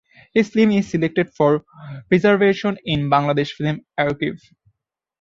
This film is selected for preservation in Bangladesh Film Archive.